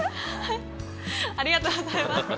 ありがとうございます。